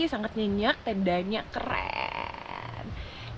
sangat nyenyak tendanya keren